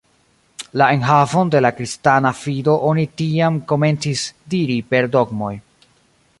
La enhavon de la kristana fido oni tiam komencis diri per dogmoj.